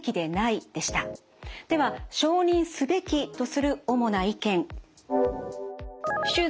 では「承認すべき」とする主な意見。などでした。